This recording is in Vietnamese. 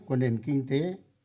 của nền kinh tế